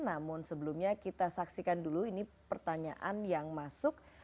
namun sebelumnya kita saksikan dulu ini pertanyaan yang masuk